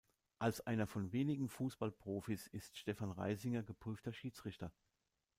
Als einer von wenigen Fußballprofis ist Stefan Reisinger geprüfter Schiedsrichter.